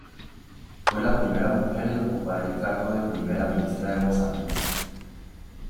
Fue la primera mujer en ocupar el cargo de Primera Ministra de Mozambique.